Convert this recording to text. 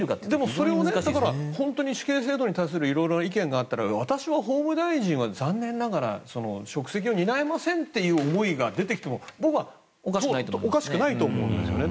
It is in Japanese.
それを本当に死刑制度に対する色んな意見があって私は法務大臣は残念ながら職責を担えませんという思いが出てきても僕はおかしくないと思うんですよね。